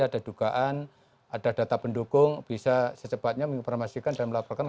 ada dugaan ada data pendukung bisa secepatnya menginformasikan dan melaporkan